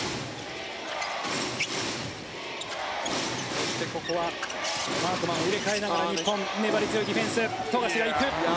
そして、ここはマークを入れ替えながら粘り強いディフェンス富樫が行く。